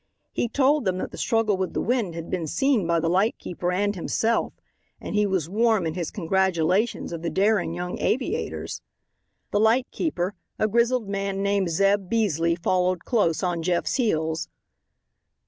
He told them that the struggle with the wind had been seen by the light keeper and himself, and he was warm in his congratulations of the daring young aviators. The light keeper, a grizzled man named Zeb. Beasley, followed close on Jeff's heels.